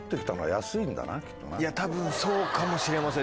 たぶんそうかもしれません。